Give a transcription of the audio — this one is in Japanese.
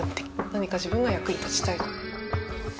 何か自分が役に立ちたい。